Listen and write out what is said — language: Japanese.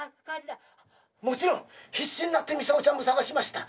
「もちろん必死になってミサオちゃんも捜しました。